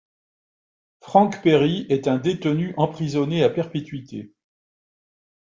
Franck Perry est un détenu emprisonné à perpétuité.